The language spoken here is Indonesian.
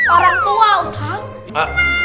orang tua ustadz